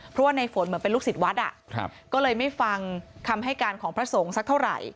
เพราะว่าในฝนเหมือนเป็นลูกศิษย์วัดก็เลยไม่ฟังคำให้การของพระสงฆ์สักเท่าไหร่